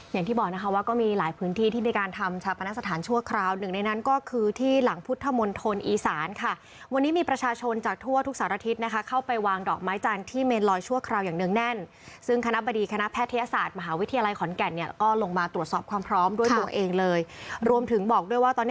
อย่างที่บอกนะคะว่าก็มีหลายพื้นที่ที่ได้การทำชาปนาสถานชั่วคราวหนึ่งในนั้นก็คือที่หลังพุทธมนต์ธนอีสานค่ะวันนี้มีประชาชนจากทั่วทุกสัตว์อาทิตย์นะคะเข้าไปวางดอกไม้จังที่เมนลอยชั่วคราวอย่างเนิ่งแน่นซึ่งคณะบดีคณะแพทยศาสตร์มหาวิทยาลัยขอนแก่นเนี่ยก็ลงมาตรวจสอบความพร้อมด้วย